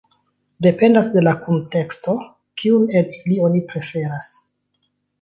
Dependas de la kunteksto, kiun el ili oni preferas.